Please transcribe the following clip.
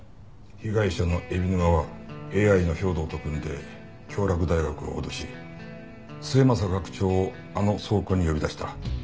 被害者の海老沼はＡＩの兵働と組んで京洛大学を脅し末政学長をあの倉庫に呼び出した。